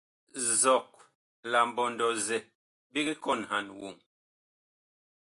Nzɔg la mbɔndɔ-zɛ big kɔnhan woŋ.